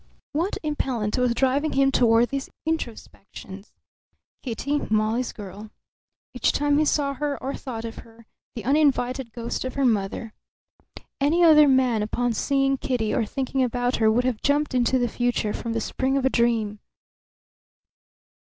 What impellent was driving him toward these introspections? Kitty, Molly's girl. Each time he saw her or thought of her the uninvited ghost of her mother. Any other man upon seeing Kitty or thinking about her would have jumped into the future from the spring of a dream.